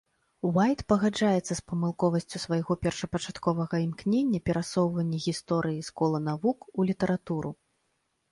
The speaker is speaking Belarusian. Уайт пагаджаецца з памылковасцю свайго першапачатковага імкнення перасоўвання гісторыі з кола навук у літаратуру.